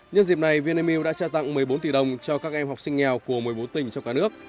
nhân dịp này vinamilk đã trao tặng một mươi bốn tỷ đồng cho các em học sinh nghèo của một mươi bốn tỉnh trong cả nước